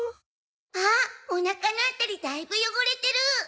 あっおなかの辺りだいぶ汚れてる！